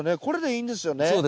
これでいいんですよね？